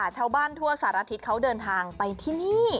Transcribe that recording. ชาวบ้านทั่วสารทิศเขาเดินทางไปที่นี่